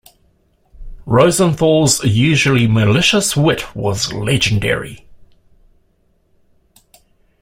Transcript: Rosenthal's usually malicious wit was legendary.